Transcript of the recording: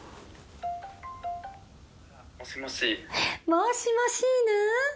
もしもしぬ？